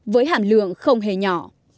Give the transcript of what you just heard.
với hẳn lượng không hề nhỏ